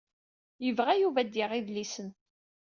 Yebɣa Yuba ad d-yaɣ idlisen.